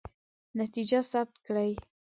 نتیجه ثبت کړئ.